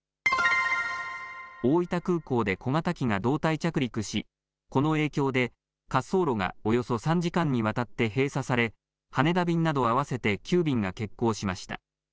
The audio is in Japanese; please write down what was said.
大分空港で小型機が胴体着陸し、この影響で滑走路がおよそ３時間にわたって閉鎖され、羽田便など合わせて９便が欠航しました。